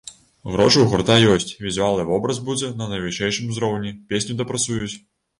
Грошы ў гурта ёсць, візуал і вобраз будзе на найвышэйшым узроўні, песню дапрацуюць.